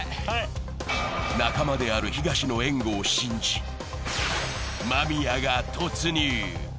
仲間である東の援護を信じ、間宮が突入。